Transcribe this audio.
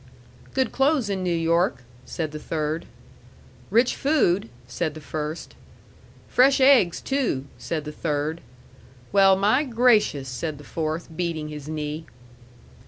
"Good clothes in New York," said the third. "Rich food," said the first. "Fresh eggs, too," said the third. "Well, my gracious!" said the fourth, beating his knee.